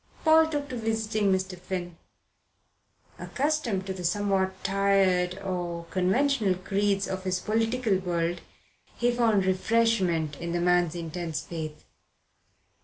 Paul took to visiting Mr. Finn. Accustomed to the somewhat tired or conventional creeds of his political world, he found refreshment in the man's intense faith.